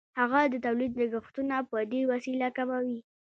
هغه د تولید لګښتونه په دې وسیله کموي